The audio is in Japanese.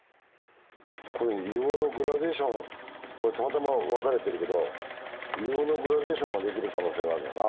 これ硫黄のグラデーションこれたまたま分かれてるけど硫黄のグラデーションができる可能性があるわな。